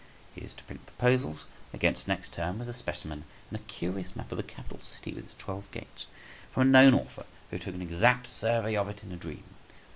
He is to print proposals against next term, with a specimen, and a curious map of the capital city with its twelve gates, from a known author, who took an exact survey of it in a dream.